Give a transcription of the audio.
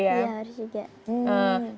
iya harus juga